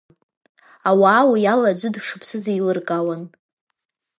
Ауаа уи ала аӡәы дшыԥсыз еилыркаауан.